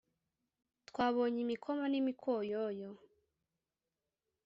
twabonye imikoma n’imikoyoyo